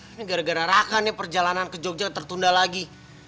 ini gara gara rakan nih perjalanan ke jogja tertunda lagi